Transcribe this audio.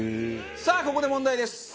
さあここで問題です。